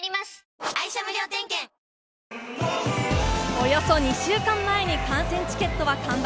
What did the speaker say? およそ２週間前に観戦チケットは完売。